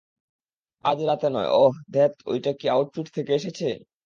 আজ রাতে নয় ওহ, ধ্যাত ঐটা কি আউটফিট থেকে এসেছে?